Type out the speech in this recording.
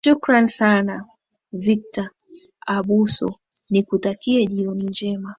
shukrani sana victor abuso nikutakie jioni njema